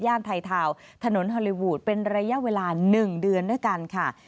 ห้านไท่เทาะถนนฮัลลี่วูดเป็นระยะเวลาหนึ่งเดือนด้วยกัน